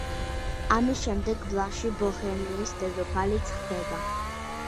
ამის შემდეგ ბლანში ბოჰემიის დედოფალიც ხდება.